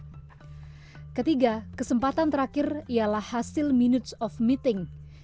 yang ketiga kesempatan terakhir ialah hasil minutes of meeting